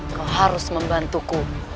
kau harus membantuku